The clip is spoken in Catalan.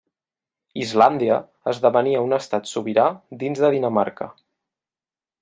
Islàndia esdevenia un estat sobirà dins de Dinamarca.